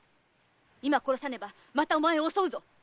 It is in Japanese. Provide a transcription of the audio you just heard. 今殺さねばまたお前を襲うぞ！